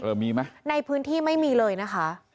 มีไหมในพื้นที่ไม่มีเลยนะคะ